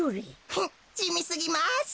フッじみすぎます。